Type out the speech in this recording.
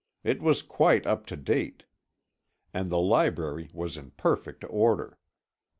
It was quite up to date, and the library was in perfect order.